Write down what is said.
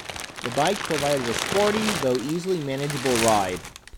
The bike provided a sporty though easily manageable ride.